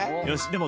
よし。